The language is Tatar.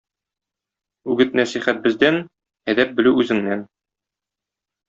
Үгет-нәсихәт бездән, әдәп белү үзеңнән.